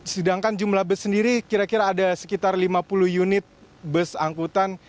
sedangkan jumlah bus sendiri kira kira ada sekitar lima puluh unit bus angkutan